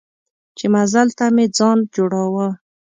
چې مزل ته مې ځان جوړاوه.